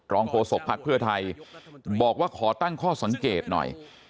โฆษกภักดิ์เพื่อไทยบอกว่าขอตั้งข้อสังเกตหน่อย